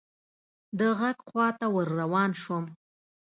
د ږغ خواته ور روان شوم .